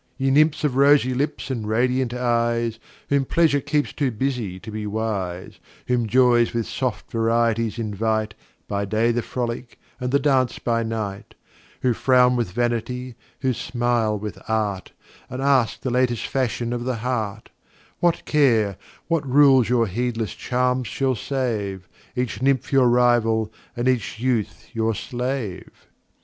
Ye Nymphs of rosy Lips and radiant Eyes, Whom Pleasure keeps too busy to be wise, Whom Joys with soft Varieties invite By Day the Frolick, and the Dance by Night, Who frown with Vanity, who smile with Art, And ask the latest Fashion of the Heart, What Care, what Rules your heedless Charms shall save, Each Nymph your Rival, and each Youth your Slave?